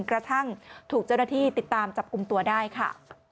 กระทั่งถูกเจ้าหน้าที่ติดตามจับกลุ่มตัวได้ค่ะ